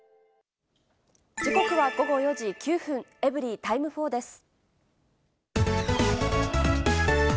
時刻は午後４時９分、エブリィタイム４です。